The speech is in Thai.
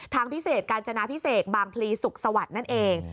ทางพิเศษกาญจนาพิเศษบางพลีสุขสวัสดิ์นั่นเอง